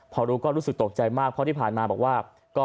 พอรู้ก็รู้สึกตกใจมากเพราะที่ผ่านมาบอกว่า